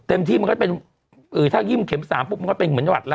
ที่มันก็เป็นถ้ายิ่มเข็มสามปุ๊บมันก็เป็นเหมือนหวัดแล้ว